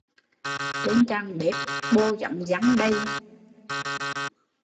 Trên chàng bếp, bồ hóng giăng đầy